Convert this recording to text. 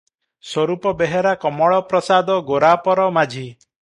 ସ୍ୱରୂପ ବେହେରା କମଳପ୍ରସାଦ ଗୋରାପର ମାଝି ।